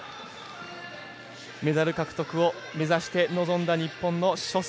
メダル獲得を目指した臨んだ、日本の初戦。